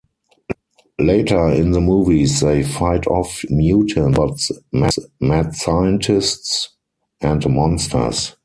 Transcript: Later, in the movies, they fight off mutants, robots, mad scientists and monsters.